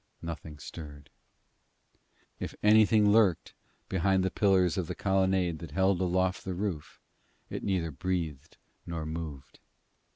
Nothing stirred. If anything lurked behind the pillars of the colonnade that held aloft the roof, it neither breathed nor moved.